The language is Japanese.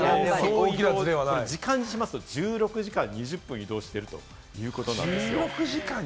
時間にしますと、１６時間２０分移動しているということなんですよ。